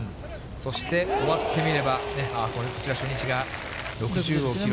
そして終わってみれば、こちら、初日が６０を記録。